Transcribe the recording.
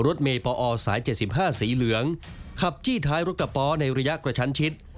รถเมย์ปอสาย๗๕สีเหลืองขับจี้ท้ายรถกระป๋อในระยะกระชั้นชิด